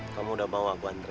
kamu udah bawa aku ke kampus